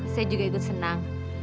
saya juga ikut senang